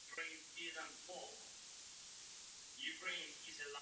Po stabilizaci železa má voda dobré chuťové vlastnosti.